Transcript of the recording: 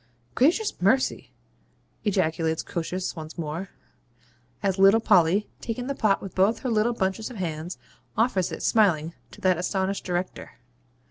'Gracious mercy!' ejaculates Croesus once more, as little Polly, taking the pot with both her little bunches of hands, offers it, smiling, to that astonished Director.